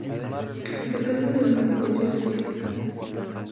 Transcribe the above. Depende del Ministerio de Hacienda.